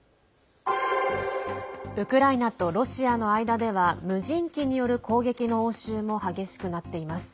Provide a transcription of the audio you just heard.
ウクライナとロシアの間では無人機による攻撃の応酬も激しくなっています。